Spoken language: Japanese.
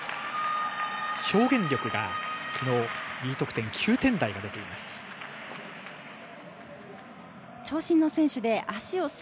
表現力が昨日、Ｄ得点９点台を出しています。